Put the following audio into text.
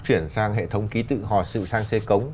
truyền sang hệ thống ký tự họ sự sang xê cống